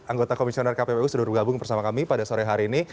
anggota komisioner kpbu sedulur gabung bersama kami pada sore hari ini